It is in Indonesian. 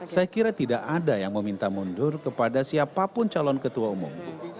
saya kira tidak ada yang meminta mundur kepada siapapun calon ketua umum